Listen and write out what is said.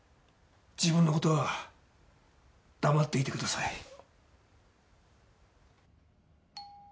自分の事は黙っていてください。